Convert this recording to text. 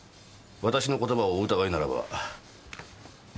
私の言葉をお疑いならば。